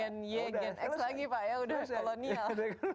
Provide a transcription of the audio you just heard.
gen y gen x lagi pak ya udah kolonial